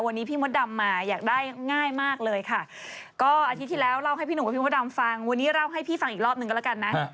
วันนี้พี่มดดำมาอยากได้ง่ายมากเลยค่ะก็อาทิตย์ที่แล้วเล่าให้พี่หนุ่มกับพี่มดดำฟังวันนี้เล่าให้พี่ฟังอีกรอบหนึ่งก็แล้วกันนะ